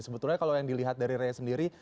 sebetulnya kalau yang dilihat dari rea sendiri